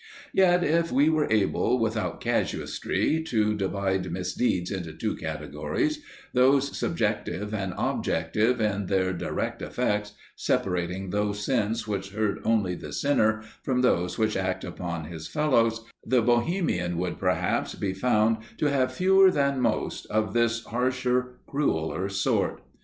Yet, if we were able without casuistry to divide misdeeds into two categories, those subjective and objective in their direct effects separating those sins which hurt only the sinner from those which act upon his fellows the Bohemian would, perhaps, be found to have fewer than most of this harsher, crueller sort.